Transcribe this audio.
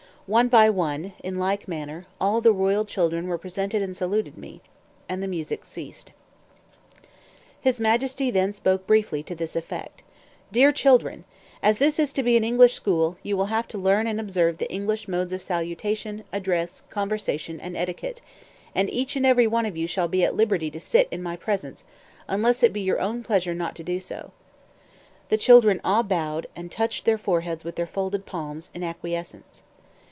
One by one, in like manner, all the royal children were presented and saluted me; and the music ceased. His Majesty then spoke briefly, to this effect: "Dear children, as this is to be an English school, you will have to learn and observe the English modes of salutation, address, conversation, and etiquette; and each and every one of you shall be at liberty to sit in my presence, unless it be your own pleasure not to do so." The children all bowed, and touched their foreheads with their folded palms, in acquiescence.